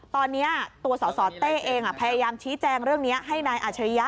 ตอนนี้ตัวสสเต้เองพยายามชี้แจงเรื่องนี้ให้นายอาชริยะ